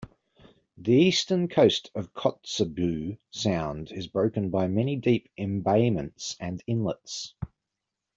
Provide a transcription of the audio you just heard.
The eastern coast of Kotzebue Sound is broken by many deep embayments and inlets.